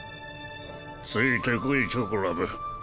ついてこいチョコラブ。